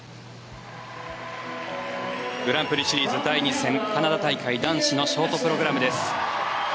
グランプリシリーズ第２戦カナダ大会、男子のショートプログラムです。